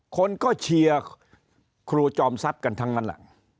คนก็เชียร์ครูจอมทรัพย์กันทั้งนั้นแหละ